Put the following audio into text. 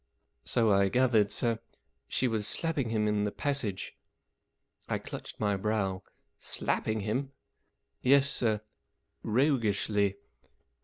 " So I gathered, sir. She was slapping him in the passage." I clutched my brow. " Slapping him ?" 44 Yes, sir. Roguishly."